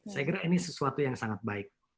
saya kira ini sesuatu yang sangat baik